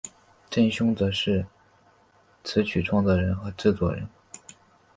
振永则是词曲创作人和制作人。